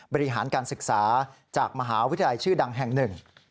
บริหารการศึกษาจากมหาวิทยาลัยชื่อดังแห่งหนึ่ง